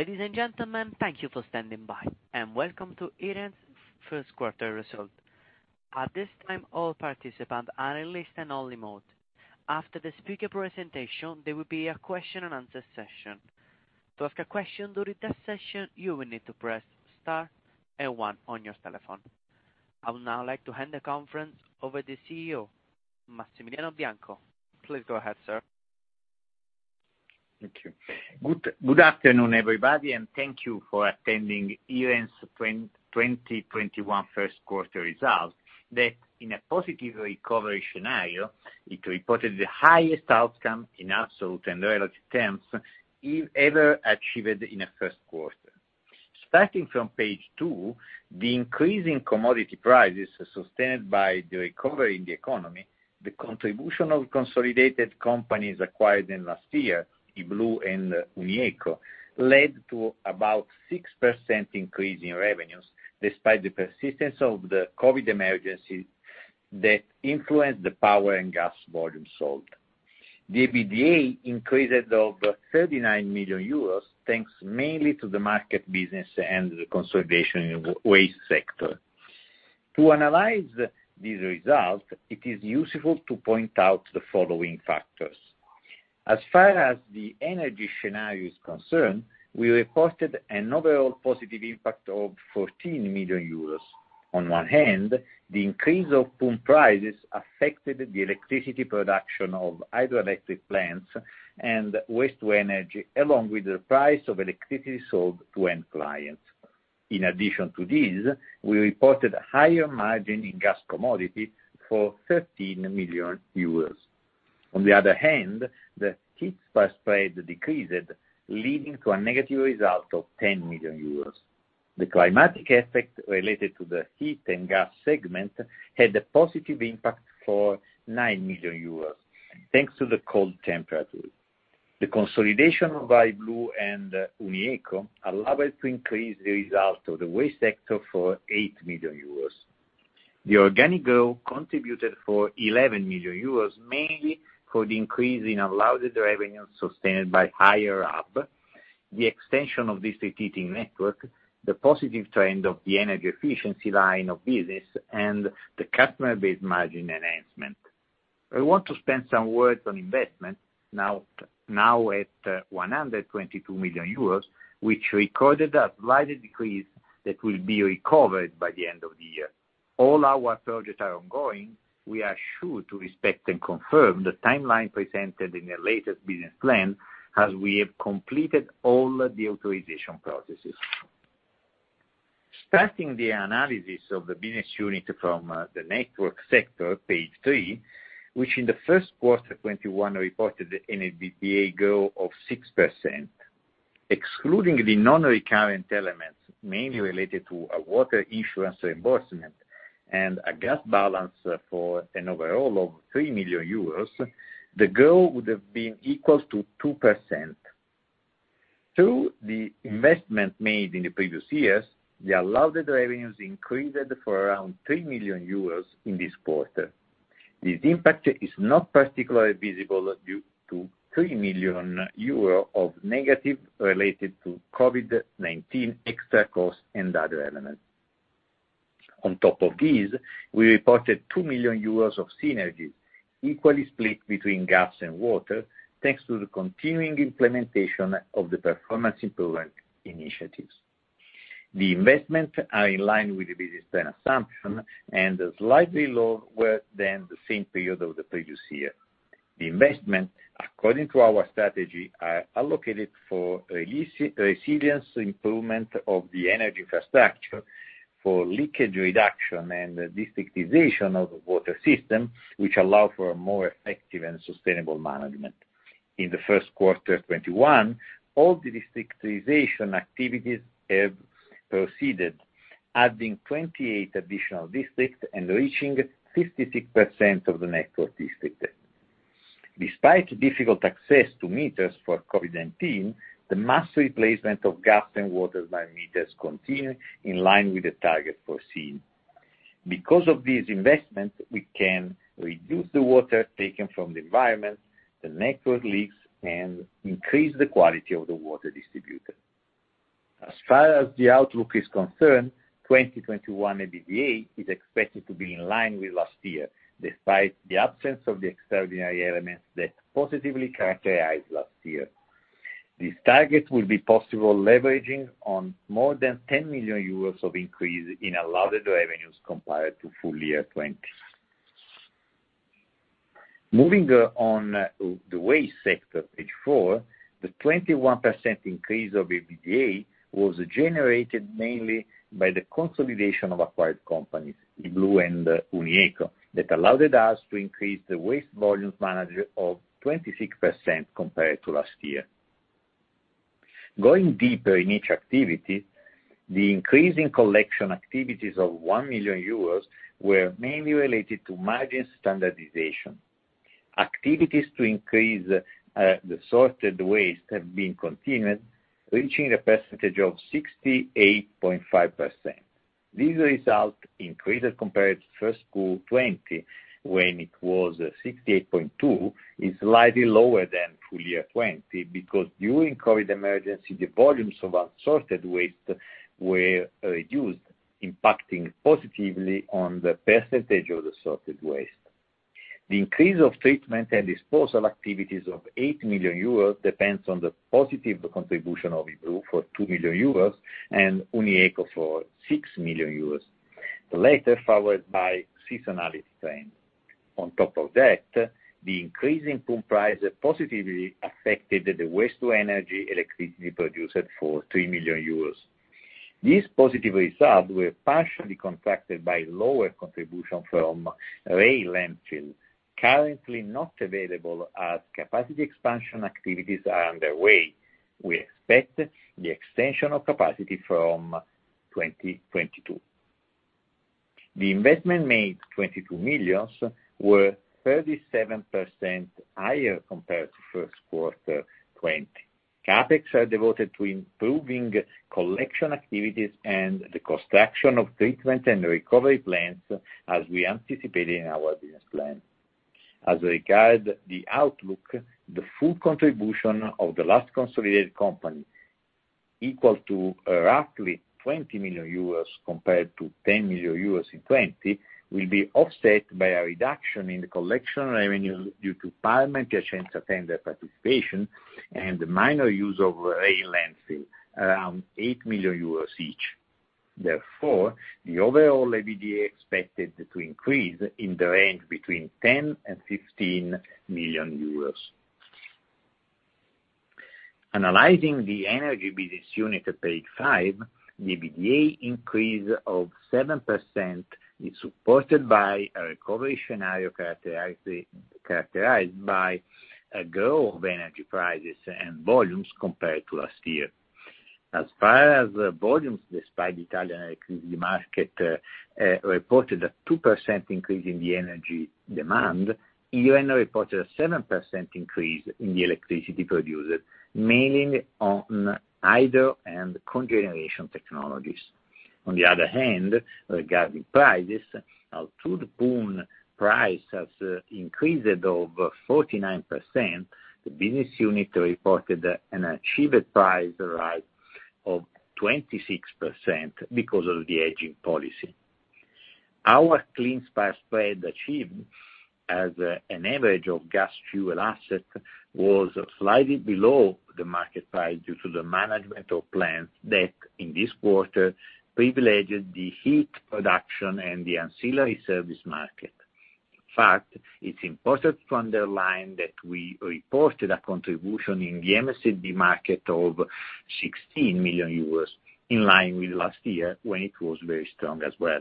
Ladies and gentlemen. Thank you for standing by and welcome to Iren’s first quarter result. At this time, all participants are in listen only mode after the speaker presentation. There will be a question and answer session. You will need to press star one on your telephone. I would now like to hand the conference over to CEO, Massimiliano Bianco. Please go ahead, sir. Thank you. Good afternoon, everybody, and thank you for attending Iren's 2021 first quarter results, that in a positive recovery scenario, it reported the highest outcome in absolute and relative terms ever achieved in a first quarter. Starting from page two, the increasing commodity prices sustained by the recovery in the economy, the contribution of consolidated companies acquired in last year, I.Blu and Unieco, led to about 6% increase in revenues, despite the persistence of the COVID emergency that influenced the power and gas volume sold. The EBITDA increased of 39 million euros, thanks mainly to the market business and the consolidation in the waste sector. To analyze these results, it is useful to point out the following factors. As far as the energy scenario is concerned, we reported an overall positive impact of 14 million euros. On one hand, the increase of PUN prices affected the electricity production of hydroelectric plants and waste-to-energy, along with the price of electricity sold to end clients. In addition to this, we reported higher margin in gas commodity for 13 million euros. On the other hand, the heat spread decreased, leading to a negative result of 10 million euros. The climatic effect related to the heat and gas segment had a positive impact for 9 million euros, thanks to the cold temperature. The consolidation of I.Blu and Unieco allowed to increase the result of the waste sector for 8 million euros. The organic growth contributed for 11 million euros, mainly for the increase in allowed revenues sustained by higher (RAB), the extension of district heating network, the positive trend of the energy efficiency line of business, and the customer base margin enhancement. I want to spend some words on investment, now at 122 million euros, which recorded a slight decrease that will be recovered by the end of the year. All our projects are ongoing. We are sure to respect and confirm the timeline presented in the latest business plan, as we have completed all the authorization processes. Starting the analysis of the business unit from the network sector, page three, which in the first quarter 2021 reported an EBITDA growth of 6%. Excluding the non-recurrent elements, mainly related to a water insurance reimbursement and a gas balance for an overall of 3 million euros, the growth would have been equal to 2%. Through the investment made in the previous years, the allowed revenues increased for around 3 million euros in this quarter. This impact is not particularly visible due to 3 million euro of negative related to COVID-19 extra costs and other elements. On top of this, we reported 2 million euros of synergies, equally split between gas and water, thanks to the continuing implementation of the performance improvement initiatives. The investments are in line with the business plan assumption and slightly lower than the same period of the previous year. The investment, according to our strategy, are allocated for resilience improvement of the energy infrastructure, for leakage reduction and districtization of water system, which allow for a more effective and sustainable management. In the first quarter 2021, all the districtization activities have proceeded, adding 28 additional districts and reaching 56% of the network districted. Despite difficult access to meters for COVID-19, the mass replacement of gas and water by meters continue in line with the target foreseen. Because of this investment, we can reduce the water taken from the environment, the network leaks, and increase the quality of the water distributed. As far as the outlook is concerned, 2021 EBITDA is expected to be in line with last year, despite the absence of the extraordinary elements that positively characterized last year. This target will be possible, leveraging on more than 10 million euros of increase in allowed revenues compared to full year 2020. Moving on the waste sector, page four, the 21% increase of EBITDA was generated mainly by the consolidation of acquired companies, I.Blu and Unieco, that allowed us to increase the waste volumes managed of 26% compared to last year. Going deeper in each activity, the increase in collection activities of 1 million euros were mainly related to margin standardization. Activities to increase the sorted waste have been continued, reaching a percentage of 68.5%. This result, increased compared to first Q 2020, when it was 68.2%, is slightly lower than full year 2020, because during COVID-19 emergency, the volumes of unsorted waste were reduced, impacting positively on the percentage of the sorted waste. The increase of treatment and disposal activities of 8 million euros depends on the positive contribution of I.Blu for 2 million euros and Unieco for 6 million euros, the latter followed by seasonality trend. On top of that, the increase in pool price positively affected the waste-to-energy electricity produced for 3 million euros. These positive results were partially contracted by lower contribution from REI landfill, currently not available as capacity expansion activities are underway. We expect the extension of capacity from 2022. The investment made, 22 million, were 37% higher compared to first quarter 2020. CapEx are devoted to improving collection activities and the construction of treatment and recovery plans as we anticipated in our business plan. As regard the outlook, the full contribution of the last consolidated company, equal to roughly 20 million euros compared to 10 million euros in 2020, will be offset by a reduction in the collection revenue due to (perimeter) change, tender participation, and minor use of REI landfill, around 8 million euros each. Therefore, the overall EBITDA expected to increase in the range between 10 million-15 million euros. Analyzing the energy business unit at page five, the EBITDA increase of 7% is supported by a recovery scenario characterized by a growth of energy prices and volumes compared to last year. As far as volumes, despite Italian electricity market reported a 2% increase in the energy demand, Iren reported a 7% increase in the electricity produced, mainly on hydro and cogeneration technologies. On the other hand, regarding prices, although the pool price has increased over 49%, the business unit reported an achieved price rise of 26% because of the hedging policy. Our clean spread achieved as an average of gas fuel asset was slightly below the market price due to the management of plants that, in this quarter, privileged the heat production and the ancillary service market. In fact, it's important to underline that we reported a contribution in the MSD market of 16 million euros, in line with last year, when it was very strong as well.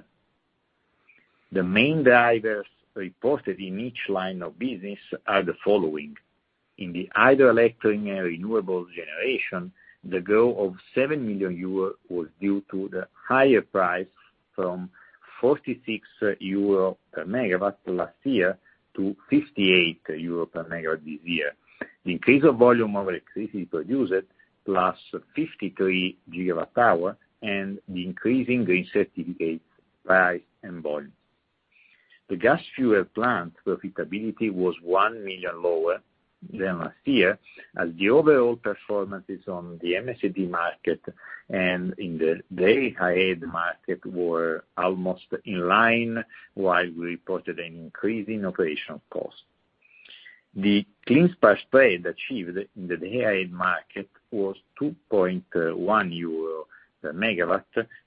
The main drivers reported in each line of business are the following: In the hydroelectric and renewable generation, the growth of 7 million euros was due to the higher price from 46 euro per MW last year to 58 euro per MW this year. The increase of volume of electricity produced, plus 53 GWh, and the increase in green certificate price and volume. The gas-fueled plant profitability was 1 million lower than last year, as the overall performances on the MSD market and in the day-ahead market were almost in line, while we reported an increase in operational cost. The clean spread achieved in the day-ahead market was 2.1 euro per MW,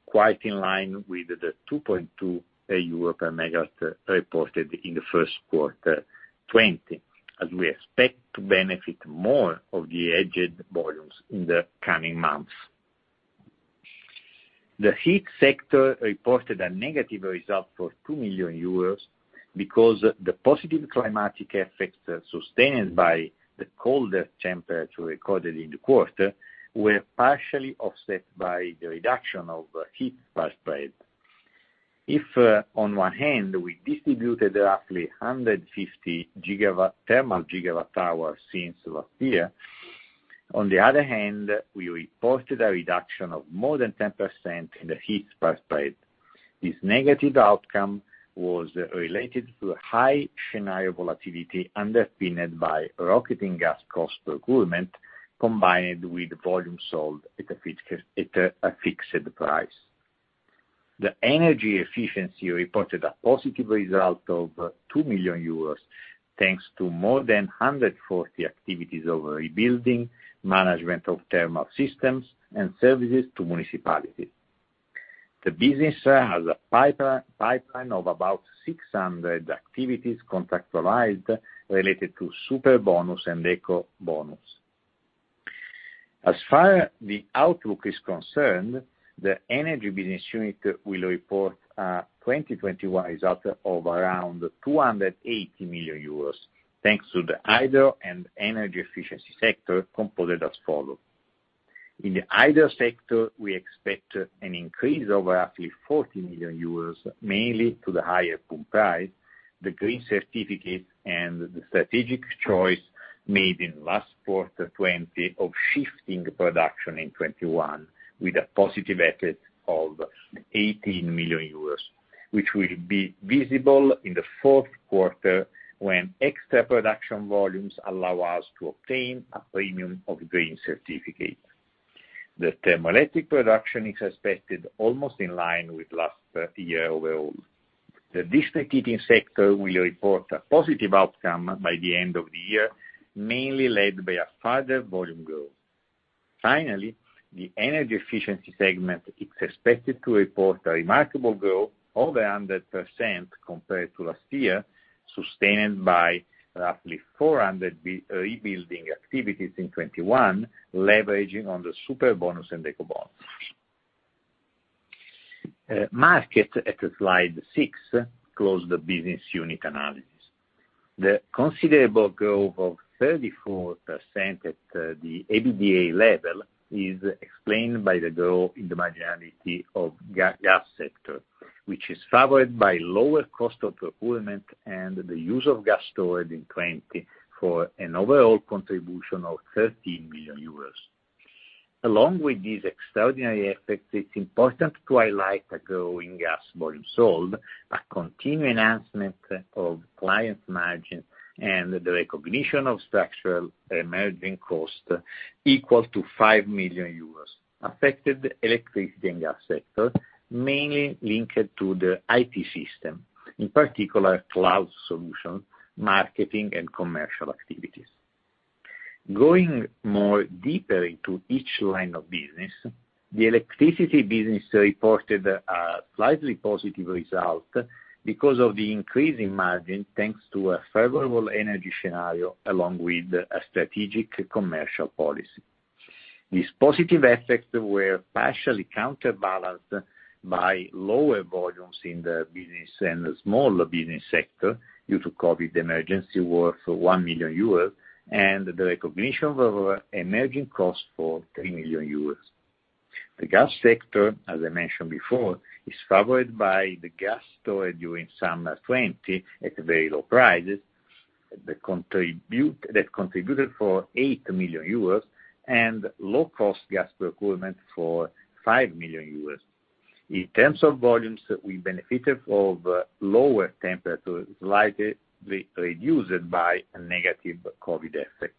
quite in line with the 2.2 euro per MW reported in the first quarter 2020, as we expect to benefit more of the hedged volumes in the coming months. The heat sector reported a negative result for 2 million euros because the positive climatic effects sustained by the colder temperature recorded in the quarter were partially offset by the reduction of heat spread. On one hand, we distributed roughly 150 thermal gigawatt hours (less than) last year, on the other hand, we reported a reduction of more than 10% in the heat spread. This negative outcome was related to high scenario volatility, underpinned by rocketing gas cost procurement, combined with volume sold at a fixed price. The energy efficiency reported a positive result of 2 million euros, thanks to more than 140 activities of rebuilding, management of thermal systems, and services to municipalities. The business has a pipeline of about 600 activities contractualized related to Superbonus and Ecobonus. As far the outlook is concerned, the energy business unit will report a 2021 result of around 280 million euros, thanks to the hydro and energy efficiency sector, composed as follows. In the hydro sector, we expect an increase of roughly 40 million euros, mainly to the higher pool price, the green certificate, and the strategic choice made in last quarter 2020 of shifting production in 2021, with a positive effect of 18 million euros. Which will be visible in the fourth quarter, when extra production volumes allow us to obtain a premium of green certificate. The thermoelectric production is expected almost in line with last year overall. The district heating sector will report a positive outcome by the end of the year, mainly led by a further volume growth. The energy efficiency segment is expected to report a remarkable growth of 100% compared to last year, sustained by roughly 400 rebuilding activities in 2021, leveraging on the Superbonus and Ecobonus. Market, at slide six, close the business unit analysis. The considerable growth of 34% at the EBITDA level is explained by the growth in the marginality of gas sector, which is favored by lower cost of procurement and the use of gas storage in 2020, for an overall contribution of 13 million euros. It's important to highlight a growing gas volume sold, a continued enhancement of clients margin, and the recognition of structural emerging cost equal to 5 million euros, affected electricity and gas sector, mainly linked to the IT system, in particular, cloud solution, marketing, and commercial activities. Going more deeper into each line of business, the electricity business reported a slightly positive result because of the increase in margin, thanks to a favorable energy scenario, along with a strategic commercial policy. These positive effects were partially counterbalanced by lower volumes in the business and the small business sector due to COVID emergency, worth 1 million euros, and the recognition of emerging costs for 3 million euros. The gas sector, as I mentioned before, is favored by the gas stored during summer 2020 at very low prices, that contributed for 8 million euros and low-cost gas procurement for 5 million euros. In terms of volumes, we benefited of lower temperatures, slightly reduced by a negative COVID effect.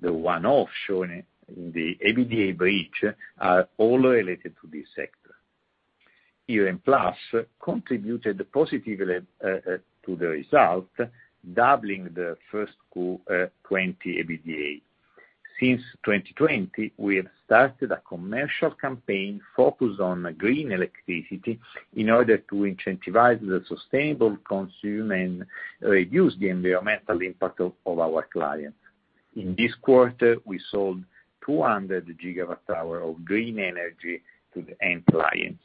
The one-off shown in the EBITDA bridge are all related to this sector. Iren Plus contributed positively to the result, doubling the first Q 2020 EBITDA. Since 2020, we have started a commercial campaign focused on green electricity in order to incentivize the sustainable consumption and reduce the environmental impact of our clients. In this quarter, we sold 200 GWh of green energy to the end clients.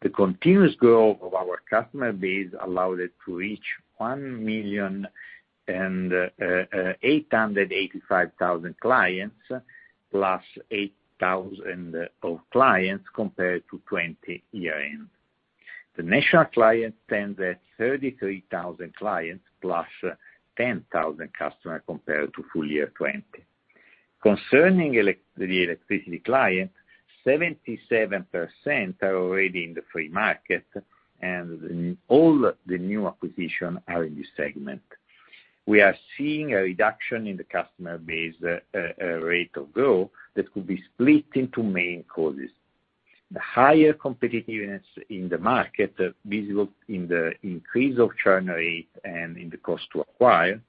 The continuous growth of our customer base allowed it to reach 1,885,000 clients, +8,000 of clients, compared to 2020 year-end. The national clients stand at 33,000 clients, +10,000 customers compared to full year 2020. Concerning the electricity clients, 77% are already in the free market. All the new acquisitions are in this segment. We are seeing a reduction in the customer base rate of growth that could be split into main causes. The higher competitiveness in the market, visible in the increase of churn rate and in the cost to acquire,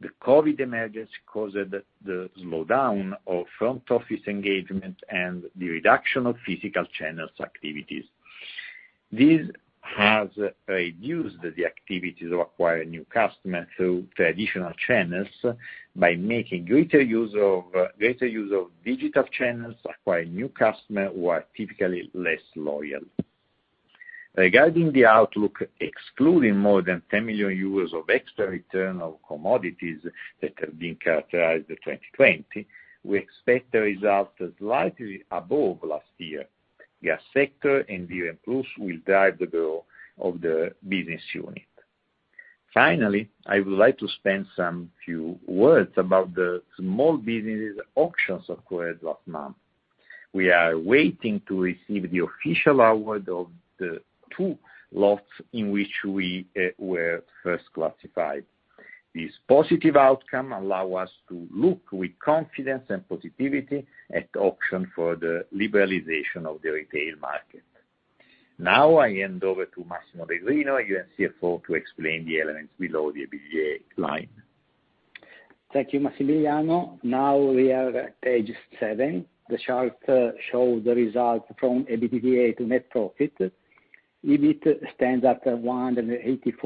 the COVID emergency caused the slowdown of front office engagement and the reduction of physical channels activities. This has reduced the activities of acquiring new customer through traditional channels by making greater use of digital channels, acquiring new customer who are typically less loyal. Regarding the outlook, excluding more than 10 million euros of extra return of commodities that have been characterized at 2020, we expect a result slightly above last year. Gas sector and Iren Plus will drive the growth of the business unit. Finally, I would like to spend some few words about the small businesses auctions occurred last month. We are waiting to receive the official award of the two lots in which we were first classified. This positive outcome allow us to look with confidence and positivity at auction for the liberalization of the retail market. Now, I hand over to Massimo Levrino, our CFO, to explain the elements below the EBITDA line. Thank you, Massimiliano. We are at page seven. The chart shows the result from EBITDA to net profit. EBIT stands at 184.2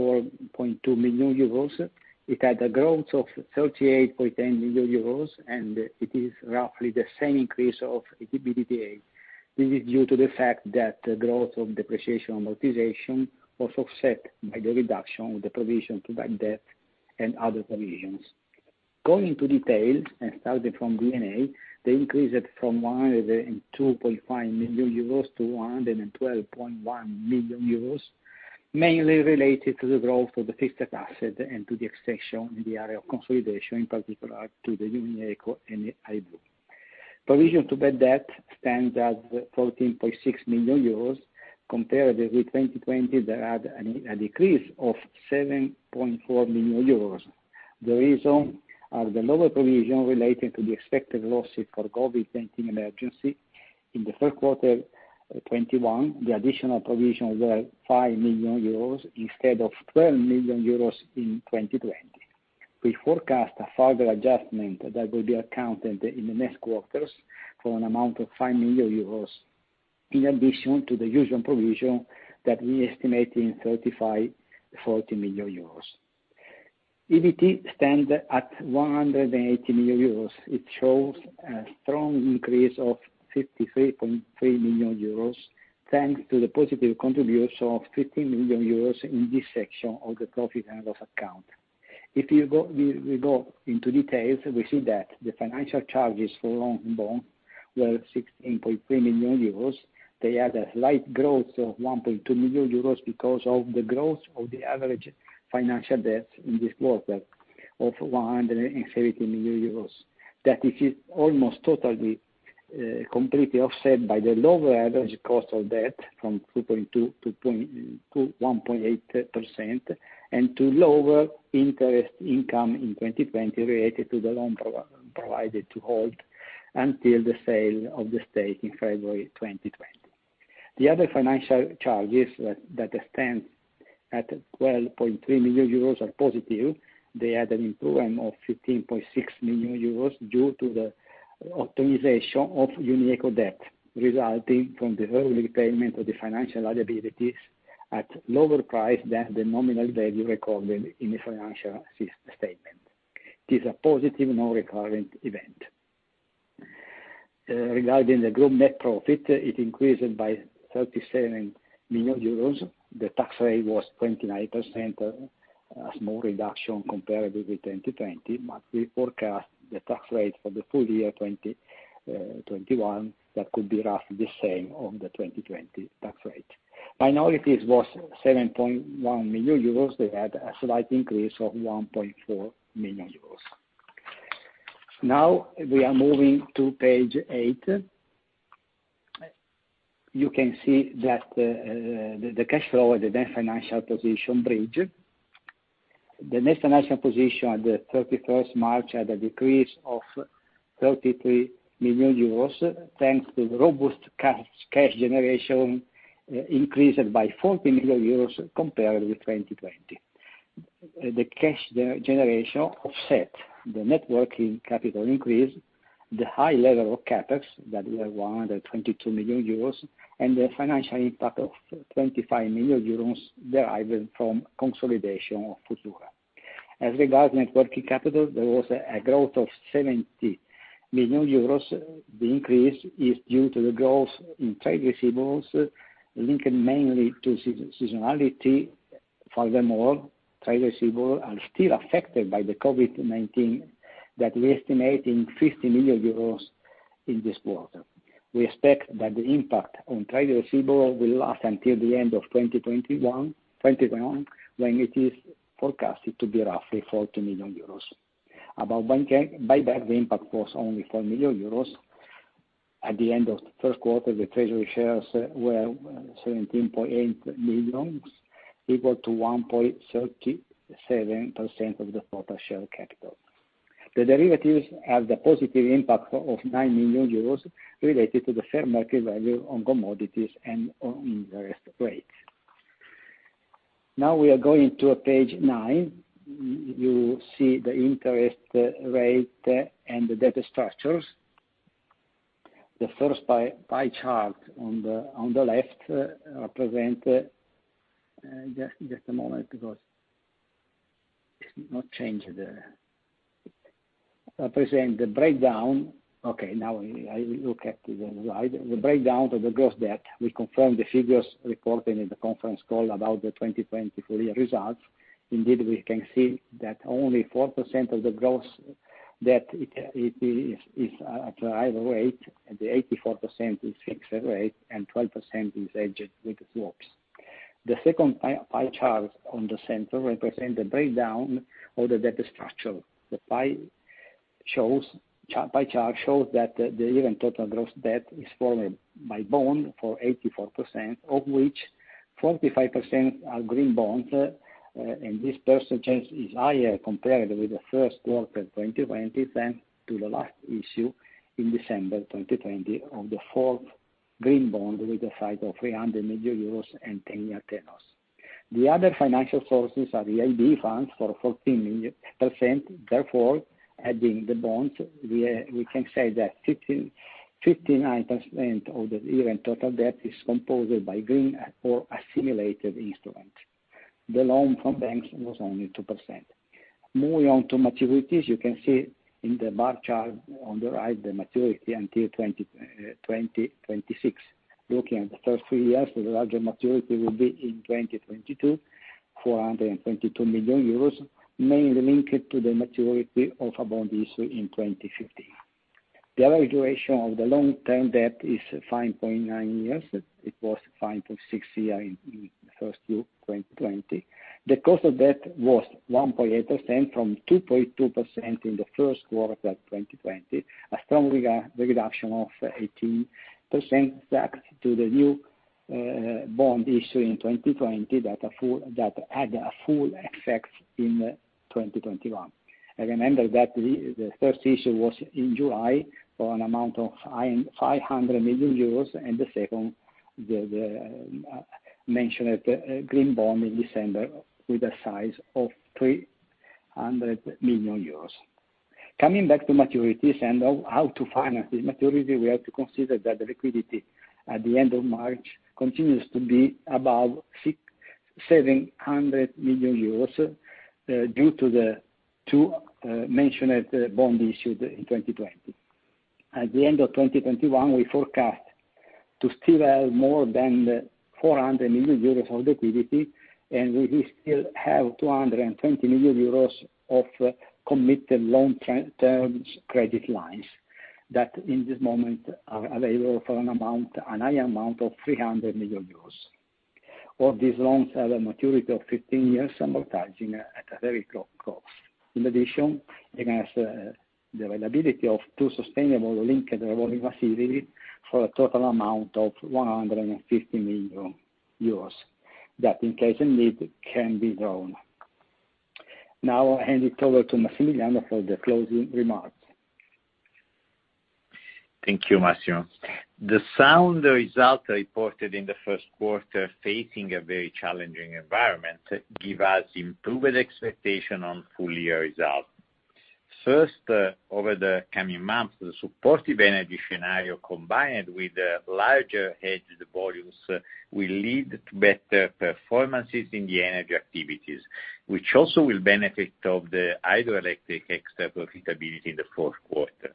million euros. It had a growth of 38.10 million euros, it is roughly the same increase of the EBITDA. This is due to the fact that the growth of depreciation amortization was offset by the reduction of the provision to bad debt and other provisions. Going into details starting from D&A, they increased from 102.5 million-112.1 million euros, mainly related to the growth of the fixed asset and to the extension in the area of consolidation, in particular, to the Unieco and I.Blu. Provision to bad debt stands at 14.6 million euros compared with 2020 that had a decrease of 7.4 million euros. The reason are the lower provision related to the expected losses for COVID-19 emergency. In the first quarter 2021, the additional provisions were 5 million euros instead of 12 million euros in 2020. We forecast a further adjustment that will be accounted in the next quarters for an amount of 5 million euros in addition to the usual provision that we estimate in 35 million-40 million euros. EBT stands at 180 million euros. It shows a strong increase of 53.3 million euros thanks to the positive contribution of 15 million euros in this section of the profit and loss account. If we go into details, we see that the financial charges for long bond were 16.3 million euros. They had a slight growth of 1.2 million euros because of the growth of the average financial debt in this quarter of 130 million euros. That is almost totally, completely offset by the lower average cost of debt from 2.2%-1.8%, and to lower interest income in 2020 related to the loan provided to hold until the sale of the stake in February 2020. The other financial charges that stand at 12.3 million euros are positive. They had an improvement of 15.6 million euros due to the optimization of Unieco debt resulting from the early repayment of the financial liabilities at lower price than the nominal value recorded in the financial statement. It is a positive non-recurrent event. Regarding the group net profit, it increased by 37 million euros. The tax rate was 29%, a small reduction comparable with 2020, but we forecast the tax rate for the full year 2021, that could be roughly the same of the 2020 tax rate. Minorities was 7.1 million euros. They had a slight increase of 1.4 million euros. Now, we are moving to page eight. You can see the cash flow, the net financial position bridge. The net financial position at the 31st March had a decrease of 33 million euros thanks to the robust cash generation increased by 14 million euros compared with 2020. The cash generation offset the net working capital increase, the high level of CapEx that were 122 million euros, and the financial impact of 25 million euros deriving from consolidation of Futura. As regards net working capital, there was a growth of 70 million euros. The increase is due to the growth in trade receivables linking mainly to seasonality. Furthermore, trade receivables are still affected by the COVID-19 that we estimate in 50 million euros in this quarter. We expect that the impact on trade receivables will last until the end of 2021, when it is forecasted to be roughly 40 million euros. About buyback, the impact was only 4 million euros. At the end of the first quarter, the treasury shares were 17.8 million, equal to 1.37% of the total share capital. The derivatives have the positive impact of 9 million euros related to the fair market value on commodities and on interest rates. We are going to page nine. You see the interest rate and the debt structures. The first pie chart on the left represent Just a moment because it's not changed. Represent the breakdown. I look at the slide. The breakdown of the gross debt, we confirm the figures reported in the conference call about the 2020 full year results. We can see that only 4% of the gross debt is at a variable rate, and the 84% is fixed rate, and 12% is hedged with swaps. The second pie chart on the center represent the breakdown of the debt structure. The pie chart shows that the Iren total gross debt is formed by bond for 84%, of which 45% are green bonds, and this percentage is higher compared with the first quarter 2020 thanks to the last issue in December 2020 of the fourth green bond with a size of 300 million euros and 10-year tenors. The other financial sources are the EIB funds for 14%, therefore, adding the bonds, we can say that 59% of the Iren total debt is composed by green or assimilated instruments. The loan from banking was only 2%. Moving on to maturities, you can see in the bar chart on the right the maturity until 2026. Looking at the first three years, the larger maturity will be in 2022, 422 million euros, mainly linked to the maturity of a bond issue in 2015. The average duration of the long-term debt is 5.9 years. It was 5.6 year in first Q 2020. The cost of debt was 1.8% from 2.2% in the first quarter of 2020, a strong reduction of 80% thanks to the new bond issue in 2020 that had a full effect in 2021. Remember that the first issue was in July, for an amount of 500 million euros, and the second, the mentioned green bond in December with a size of 300 million euros. Coming back to maturities and how to finance these maturity, we have to consider that the liquidity at the end of March continues to be above 700 million euros, due to the two mentioned bond issued in 2020. At the end of 2021, we forecast to still have more than 400 million euros of liquidity, and we will still have 220 million euros of committed long-term credit lines, that in this moment are available for an high amount of 300 million euros. All these loans have a maturity of 15 years, amortizing at a very low cost. In addition, it has the availability of two sustainability-linked revolving facilities, for a total amount of 150 million euros, that in case of need can be drawn. Now I'll hand it over to Massimiliano for the closing remarks. Thank you, Massimo. The sound result reported in the first quarter, facing a very challenging environment, give us improved expectation on full year result. Over the coming months, the supportive energy scenario, combined with the larger hedged volumes, will lead to better performances in the energy activities, which also will benefit of the hydroelectric extra profitability in the fourth quarter.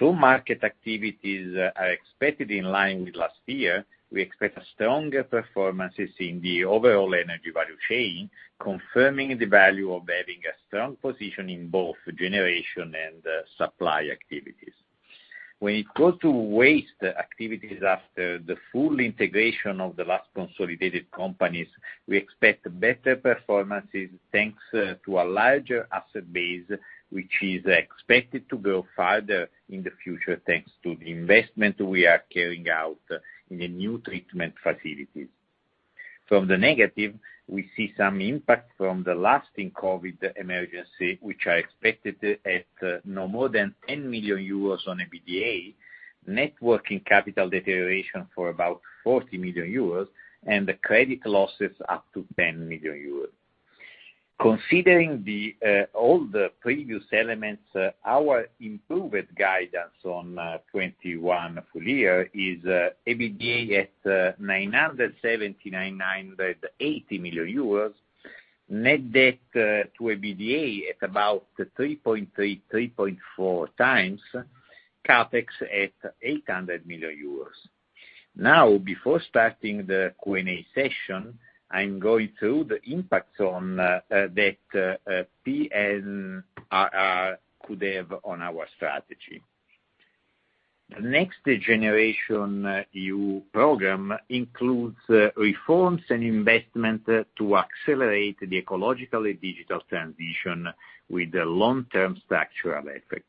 Market activities are expected in line with last year, we expect a stronger performances in the overall energy value chain, confirming the value of having a strong position in both generation and supply activities. It goes to waste activities after the full integration of the last consolidated companies, we expect better performances, thanks to a larger asset base, which is expected to go further in the future, thanks to the investment we are carrying out in the new treatment facilities. From the negative, we see some impact from the lasting COVID-19 emergency, which are expected at no more than 10 million euros on EBITDA, net working capital deterioration for about 40 million euros, and the credit losses up to 10 million euros. Considering all the previous elements, our improved guidance on 2021 full year is EBITDA at 979 million-980 million euros, net debt to EBITDA at about 3.3-3.4x, CapEx at 800 million euros. Now, before starting the Q&A session, I'm going through the impact on that PNRR could have on our strategy. The NextGenerationEU program includes reforms and investment to accelerate the ecological and digital transition, with the long-term structural effect.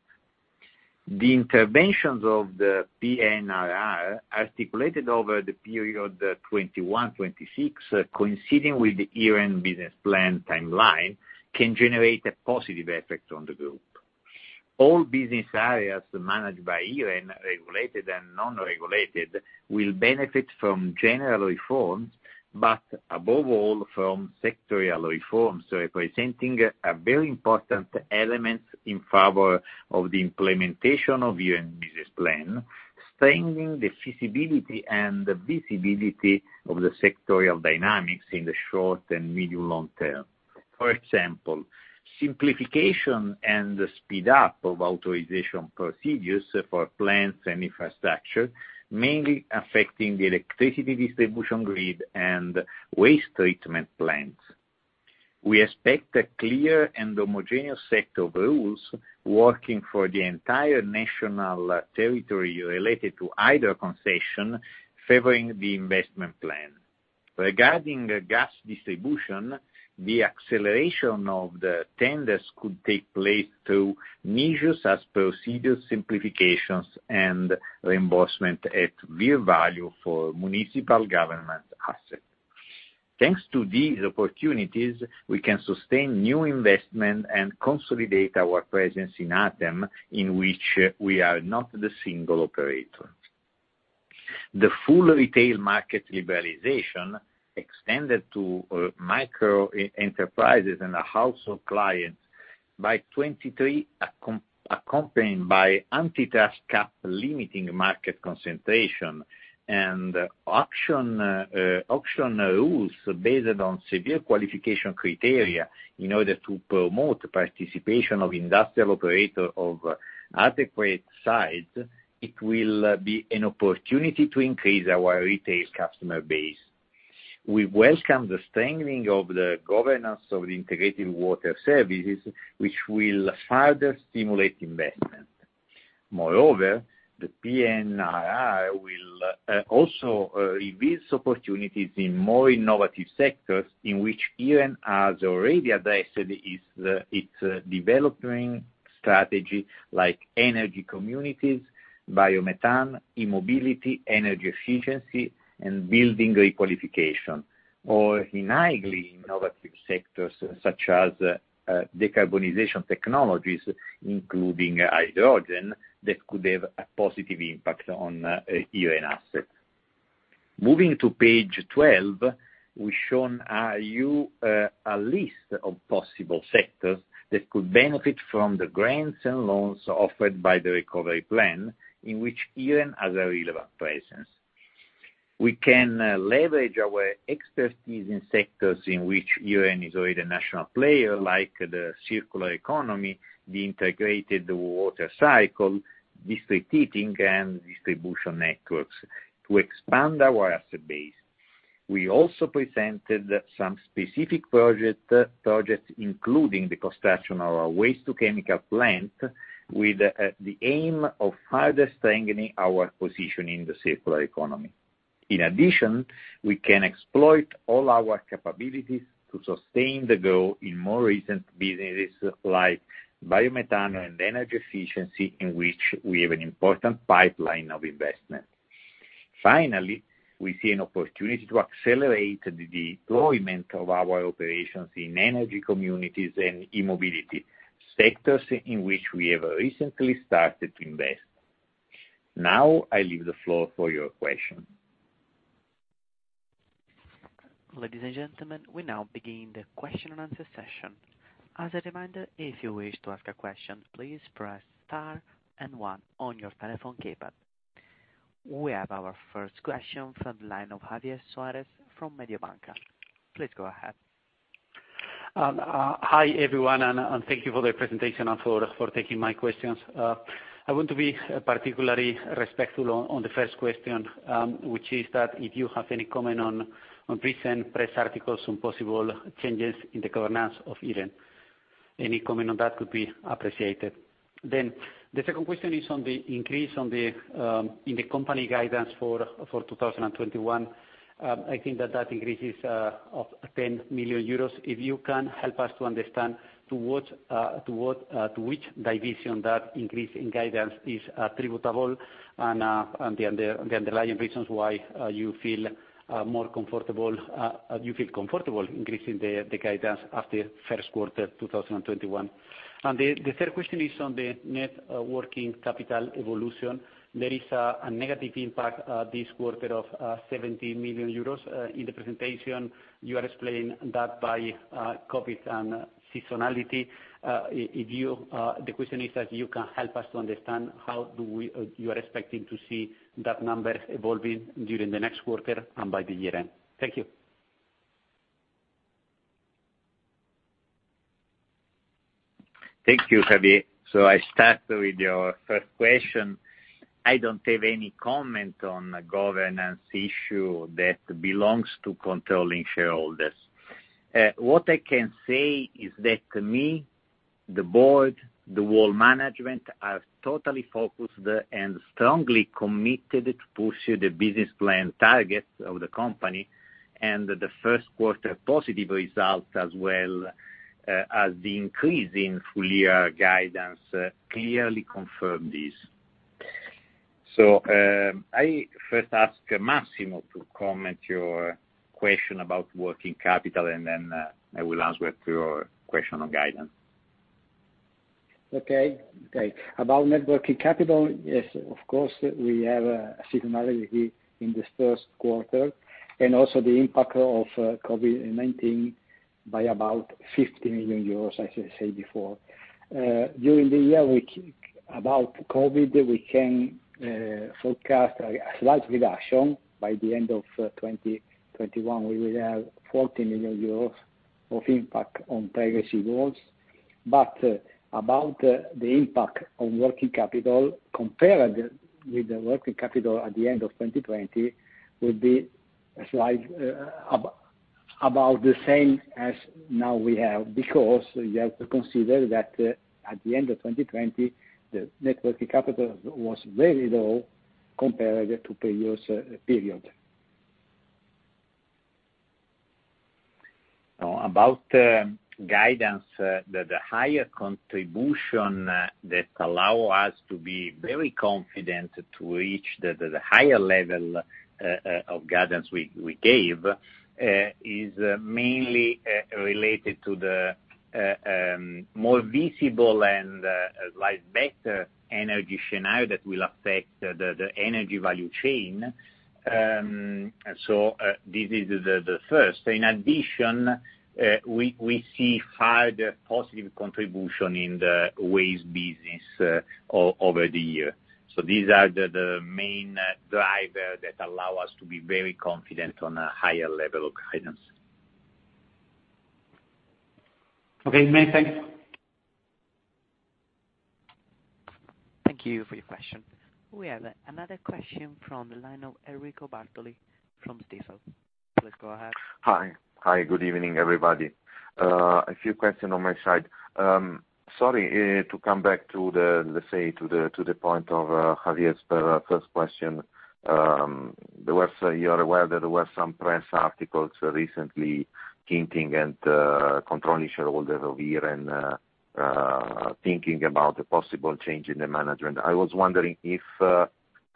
The interventions of the PNRR are stipulated over the period 2021-2026, coinciding with the Iren business plan timeline, can generate a positive effect on the group. All business areas managed by Iren, regulated and non-regulated, will benefit from general reforms, but above all, from sectorial reforms, representing a very important element in favor of the implementation of Iren business plan, strengthening the feasibility and the visibility of the sectorial dynamics in the short and medium long term. For example, simplification and speed up of authorization procedures for plants and infrastructure, mainly affecting the electricity distribution grid and waste treatment plants. We expect a clear and homogeneous set of rules working for the entire national territory related to either concession, favoring the investment plan. Regarding gas distribution, the acceleration of the tenders could take place through measures as procedure simplifications and reimbursement at fair value for municipal government assets. Thanks to these opportunities, we can sustain new investment and consolidate our presence in ATEM, in which we are not the single operator. The full retail market liberalization extended to micro enterprises and household clients by 2023, accompanied by anti-trust cap limiting market concentration and auction rules based on severe qualification criteria in order to promote participation of industrial operator of adequate size, it will be an opportunity to increase our retail customer base. We welcome the strengthening of the governance of the integrated water services, which will further stimulate investment. Moreover, the PNRR will also revise opportunities in more innovative sectors, in which Iren has already addressed its developing strategy, like energy communities, biomethane, e-mobility, energy efficiency, and building requalification, or in highly innovative sectors such as decarbonization technologies, including hydrogen, that could have a positive impact on Iren assets. Moving to page 12, we've shown you a list of possible sectors that could benefit from the grants and loans offered by the recovery plan, in which Iren has a relevant presence. We can leverage our expertise in sectors in which Iren is already a national player, like the circular economy, the integrated water cycle, district heating, and distribution networks to expand our asset base. We also presented some specific projects, including the construction of our waste-to-chemical plant, with the aim of further strengthening our position in the circular economy. We can exploit all our capabilities to sustain the goal in more recent businesses like biomethane and energy efficiency, in which we have an important pipeline of investment. We see an opportunity to accelerate the deployment of our operations in energy communities and e-mobility, sectors in which we have recently started to invest. Now, I leave the floor for your question. Ladies and gentlemen, we now begin the question and answer session. As a reminder, if you wish to ask a question, please press star and one on your telephone keypad. We have our first question from the line of Javier Suarez Hernandez from Mediobanca. Please go ahead. Hi, everyone. Thank you for the presentation and for taking my questions. I want to be particularly respectful on the first question, which is that if you have any comment on recent press articles on possible changes in the governance of Iren. Any comment on that could be appreciated. The second question is on the increase in the company guidance for 2021. I think that that increase is of 10 million euros. If you can help us to understand to which division that increase in guidance is attributable and the underlying reasons why you feel comfortable increasing the guidance after first quarter 2021. The third question is on the net working capital evolution. There is a negative impact this quarter of 70 million euros. In the presentation, you are explaining that by COVID and seasonality. The question is that you can help us to understand how you are expecting to see that number evolving during the next quarter and by the year-end. Thank you. Thank you, Javier. I start with your first question. I don't have any comment on the governance issue that belongs to controlling shareholders. What I can say is that me, the board, the whole management, are totally focused and strongly committed to pursue the business plan targets of the company, and the first quarter positive results, as well as the increase in full year guidance, clearly confirm this. I will first ask Massimo to comment your question about working capital, and then I will answer to your question on guidance. Okay. About net working capital, yes, of course, we have a seasonality in this first quarter, and also the impact of COVID-19 by about 50 million euros, as I said before. During the year, about COVID, we can forecast a slight reduction. By the end of 2021, we will have 40 million euros of impact on pre-receivables. About the impact on working capital compared with the working capital at the end of 2020 will be about the same as now we have, because you have to consider that at the end of 2020, the net working capital was very low compared to previous period. About guidance, the higher contribution that allow us to be very confident to reach the higher level of guidance we gave is mainly related to the more visible and slightly better energy scenario that will affect the energy value chain. This is the first. In addition, we see higher positive contribution in the waste business over the year. These are the main drivers that allow us to be very confident on a higher level of guidance. Okay, many thanks. Thank you for your question. We have another question from the line of Enrico Bartoli from Stifel. Please go ahead. Hi. Good evening, everybody. A few questions on my side. Sorry, to come back, let's say, to the point of Javier's first question. You are aware that there were some press articles recently hinting at controlling shareholder of Iren thinking about the possible change in the management. I was wondering if,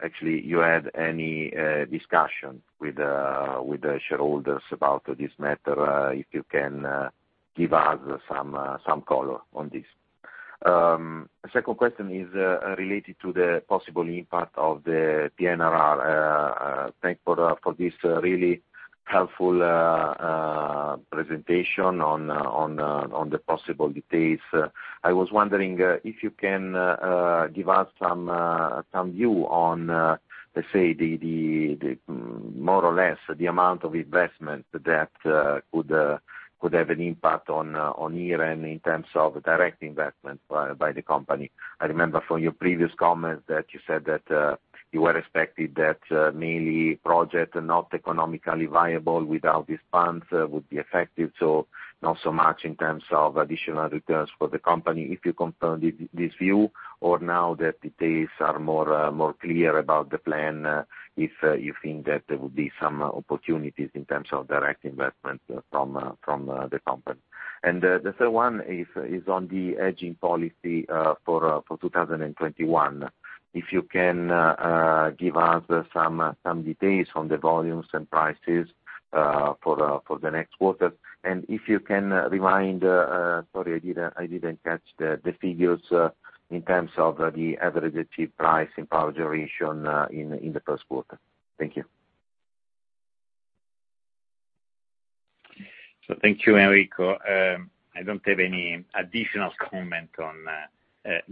actually, you had any discussion with the shareholders about this matter, if you can give us some color on this. Second question is related to the possible impact of the PNRR. Thanks for this really helpful presentation on the possible details. I was wondering if you can give us some view on, let's say, more or less, the amount of investment that could have an impact on Iren in terms of direct investment by the company. I remember from your previous comments that you said that you were expected that mainly projects not economically viable without these funds would be affected, so not so much in terms of additional returns for the company. If you confirm this view, or now that details are more clear about the plan, if you think that there will be some opportunities in terms of direct investment from the company. The third one is on the hedging policy for 2021. If you can give us some details on the volumes and prices for the next quarter, and if you can remind, sorry, I didn't catch the figures in terms of the average achieved price in power generation in the first quarter. Thank you. Thank you, Enrico. I don't have any additional comment on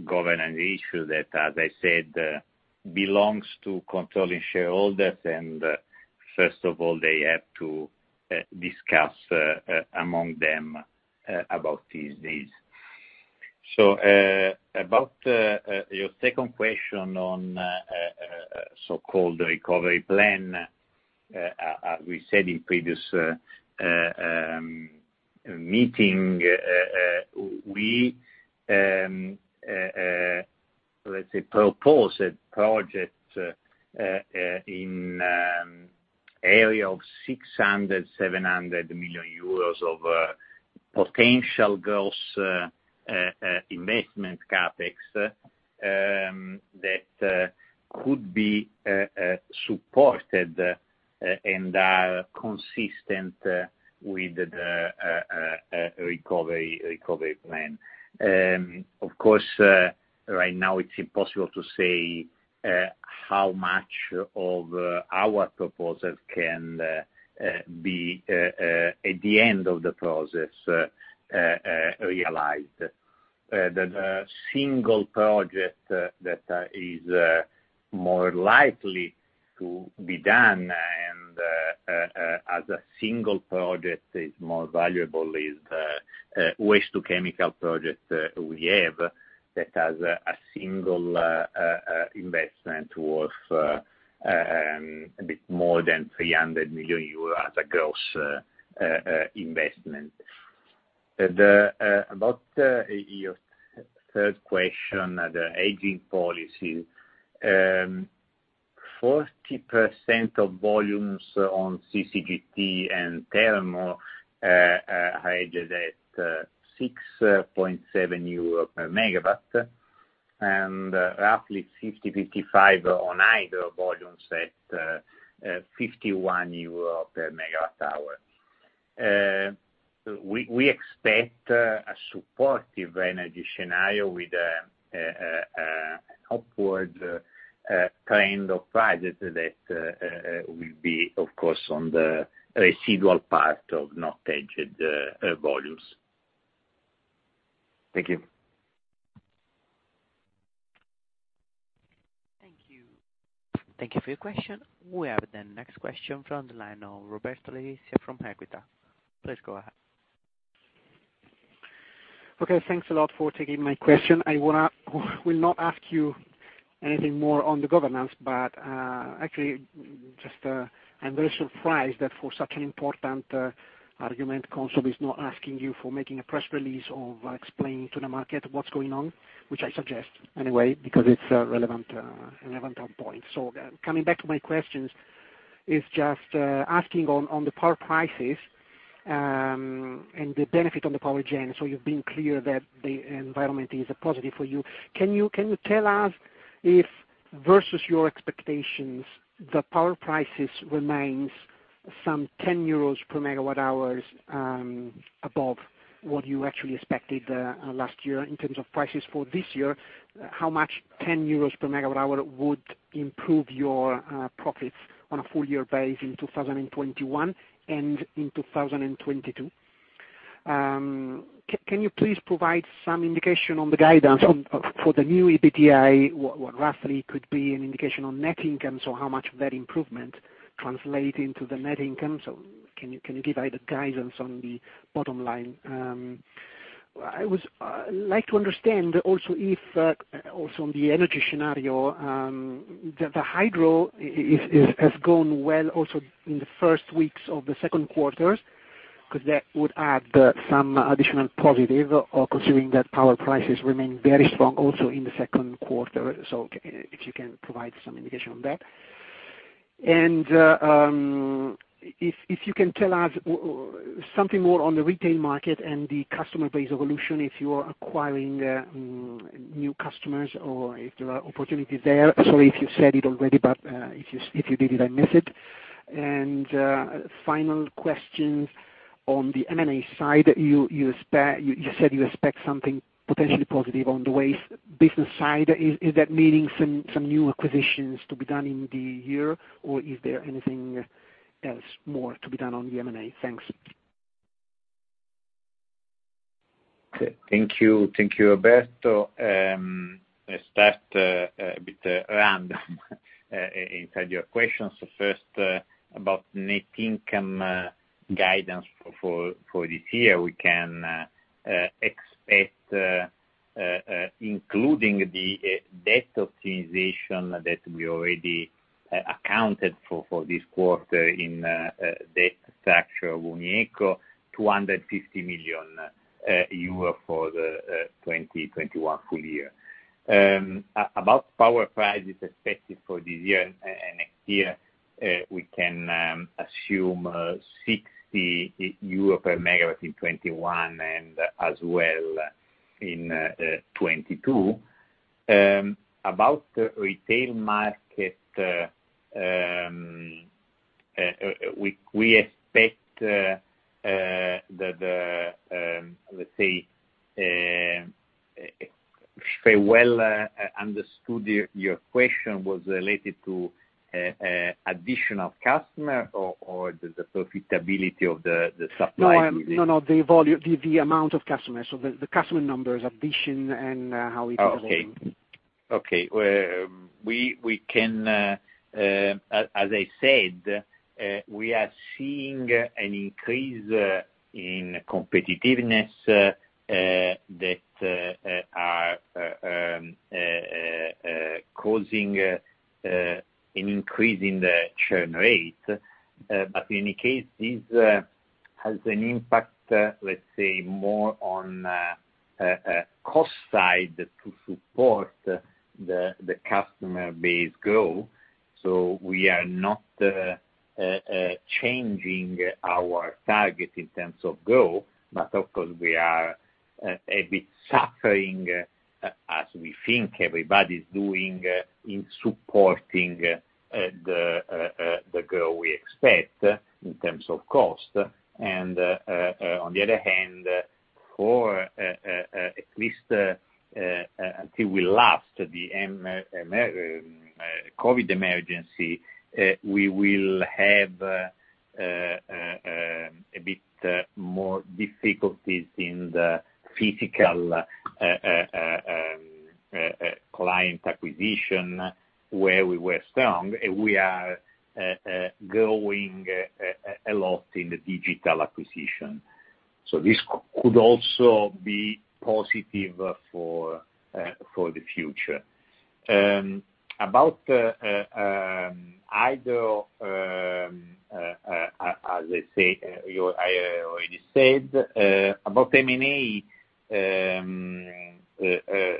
governance issue that, as I said, belongs to controlling shareholders, and first of all, they have to discuss among them about these things. About your second question on so-called Recovery Plan, as we said in previous meeting, we, let's say, proposed a project in area of 600 million euros, 700 million euros of potential gross investment CapEx that could be supported and are consistent with the Recovery Plan. Of course, right now it's impossible to say how much of our proposal can be, at the end of the process, realized. The single project that is more likely to be done, and as a single project is more valuable, is waste-to-chemical project we have that has a single investment worth a bit more than 300 million euro as a gross investment. About your third question, the hedging policy, 40% of volumes on CCGT and Thermo are hedged at 6.7 euro per MW. Roughly 50- 55 on hydro volumes at 51 EUR per MWh. We expect a supportive energy scenario with an upward trend of prices that will be, of course, on the residual part of not hedged volumes. Thank you. Thank you. Thank you for your question. We have the next question from the line of Roberto Letizia from Equita. Please go ahead. Okay. Thanks a lot for taking my question. I will not ask you anything more on the governance, actually, just, I'm very surprised that for such an important argument, CONSOB is not asking you for making a press release or explaining to the market what's going on, which I suggest anyway, because it's a relevant point. Coming back to my questions, is just asking on the power prices and the benefit on the power gen. You've been clear that the environment is a positive for you. Can you tell us if, versus your expectations, the power prices remains some 10 euros per MWh above what you actually expected last year in terms of prices for this year? How much 10 euros per MWh would improve your profits on a full year base in 2021 and in 2022? Can you please provide some indication on the guidance for the new EBITDA, what roughly could be an indication on net income? How much of that improvement translate into the net income? Can you give either guidance on the bottom line? I would like to understand also if, also on the energy scenario, the hydro has gone well also in the first weeks of the second quarters, because that would add some additional positive considering that power prices remain very strong also in the second quarter. If you can provide some indication on that. If you can tell us something more on the retail market and the customer base evolution, if you are acquiring new customers or if there are opportunities there. Sorry if you said it already, but if you did, I missed it. Final question, on the M&A side, you said you expect something potentially positive on the waste business side. Is that meaning some new acquisitions to be done in the year, or is there anything else more to be done on the M&A? Thanks. Okay. Thank you, Roberto. Let's start a bit random inside your questions. First, about net income guidance for this year, we can expect, including the debt optimization that we already accounted for this quarter in debt structure of Unieco, 250 million euro for the 2021 full year. About power prices expected for this year and next year, we can assume 60 euro per MW in 2021, and as well in 2022. About retail market, we expect Let's say, if I well understood, your question was related to additional customer, or the profitability of the supply business? No, the amount of customers, so the customer numbers, addition, and how it is evolving. Okay. As I said, we are seeing an increase in competitiveness that are causing an increase in the churn rate. In any case, this has an impact, let's say, more on cost side to support the customer base growth. We are not changing our target in terms of growth, but of course, we are a bit suffering, as we think everybody's doing, in supporting the growth we expect in terms of cost. On the other hand, for at least until it will last, the COVID emergency, we will have a bit more difficulties in the physical client acquisition, where we were strong. We are growing a lot in the digital acquisition. This could also be positive for the future. About hydro, as I already said, about M&A,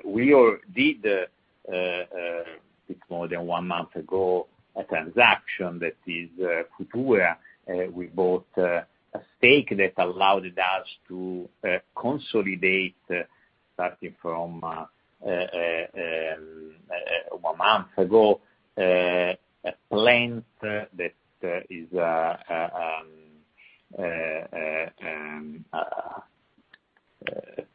we did, it's more than one month ago, a transaction, that is Futura S.p.A. We bought a stake that allowed us to consolidate, starting from one month ago, a plant that is a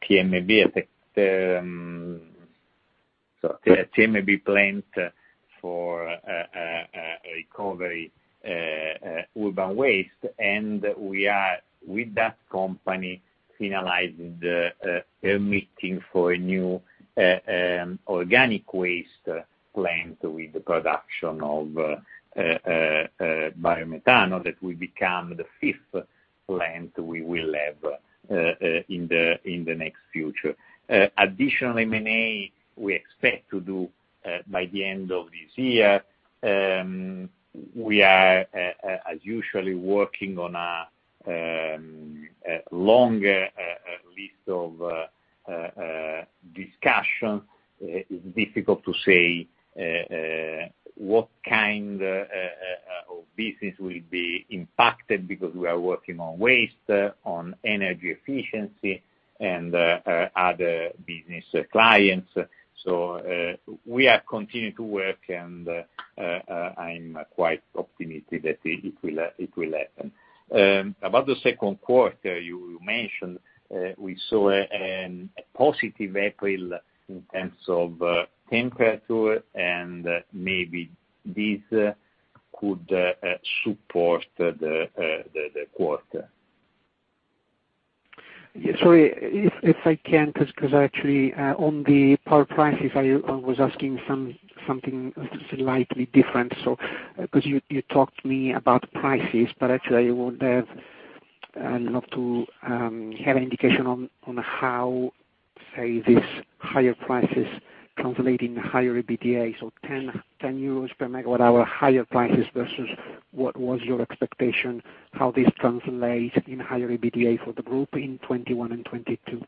TMB plant for recovery urban waste. We are, with that company, finalizing the permitting for a new organic waste plant with the production of biomethane, that will become the fifth plant we will have in the next future. Additional M&A, we expect to do by the end of this year. We are, as usual, working on a long list of discussions. It's difficult to say what kind of business will be impacted because we are working on waste, on energy efficiency, and other business clients. We are continuing to work, and I'm quite optimistic that it will happen. About the second quarter you mentioned, we saw a positive April in terms of temperature, and maybe this could support the quarter. Yeah. Sorry, if I can, because actually, on the power prices, I was asking something slightly different. You talked to me about prices, but actually, I would love to have an indication on how, say, these higher prices translate in higher EBITDA. 10 per MWh higher prices versus what was your expectation, how this translates in higher EBITDA for the group in 2021 and 2022?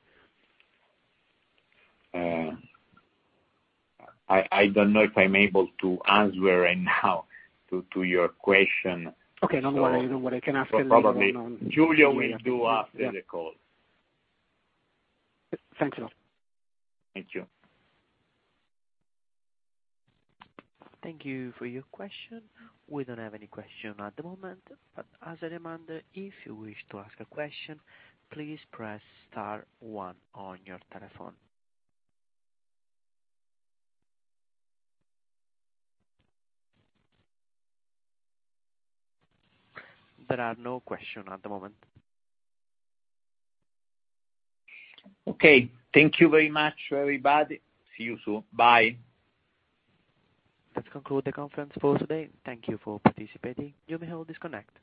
I don't know if I'm able to answer right now to your question. Okay. No worry. I can ask later on. Probably Giulio Domma will do after the call. Thanks a lot. Thank you. Thank you for your question. We don't have any question at the moment. As a reminder, if you wish to ask a question, please press star one on your telephone. There are no question at the moment. Okay. Thank you very much, everybody. See you soon. Bye. That conclude the conference for today. Thank you for participating. You may now disconnect.